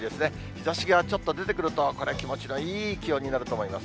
日ざしがちょっと出てくると、これ、気持ちのいい気温になると思います。